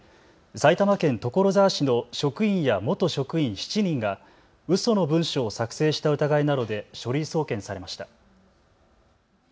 埼玉県所沢市の職員や元職員７人がうその文書を作成した疑いなどで書類送検されました。